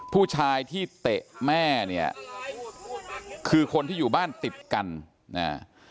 ผู้ชายที่เตะแม่เนี่ยคือคนที่อยู่บ้านติดกันอ่า